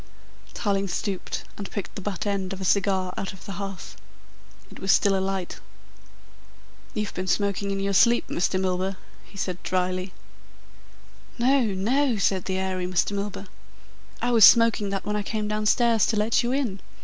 Tarling stooped and picked the butt end of a cigar out of the hearth. It was still alight. "You've been smoking in your sleep, Mr. Milburgh," he said dryly. "No, no," said the airy Mr. Milburgh. "I was smoking that when I came downstairs to let you in.